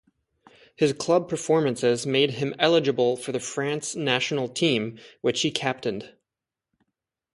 His club performances made him eligible for the France national team which he captained.